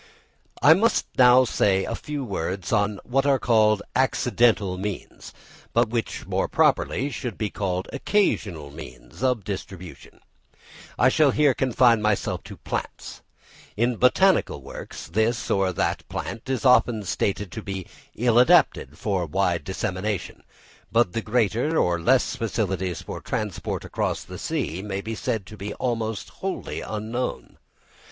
I must now say a few words on what are called accidental means, but which more properly should be called occasional means of distribution. I shall here confine myself to plants. In botanical works, this or that plant is often stated to be ill adapted for wide dissemination; but the greater or less facilities for transport across the sea may be said to be almost wholly unknown.